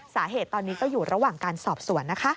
สาเหตุตอนนี้ก็อยู่ระหว่างการสอบสวนนะคะ